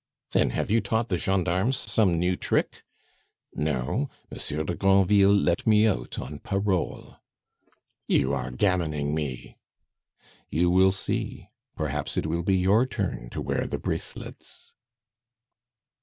"Then have you taught the gendarmes some new trick?" "No, Monsieur de Granville let me out on parole." "You are gammoning me?" "You will see. Perhaps it will be your turn to wear the bracelets."